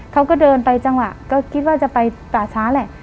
เขาก็เดินไปจังหวะก็คิดว่าจะไปป่าช้าแหละ